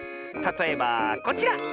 たとえばこちら！